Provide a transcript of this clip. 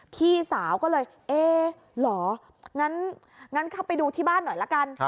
พี่สาวก็เลยเอ๊เหรองั้นเข้าไปดูที่บ้านหน่อยละกัน